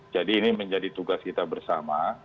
jadi ini menjadi tugas kita bersama